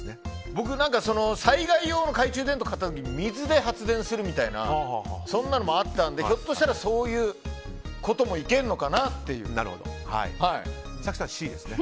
災害用の懐中電灯買った時に水で発電するみたいなそんなのもあったのでひょっとしたらそういうことも早紀さんはＣですね。